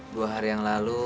dua hari yang lalu